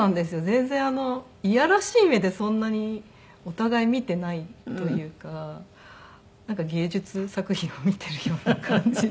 全然いやらしい目でそんなにお互い見ていないというかなんか芸術作品を見ているような感じで。